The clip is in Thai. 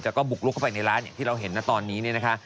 ก็บุกลุกเข้าไปในร้านอย่างที่เราเห็นนะตอนนี้เนี่ยนะคะ